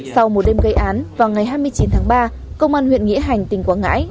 sau một đêm gây án vào ngày hai mươi chín tháng ba công an huyện nghĩa hành tỉnh quảng ngãi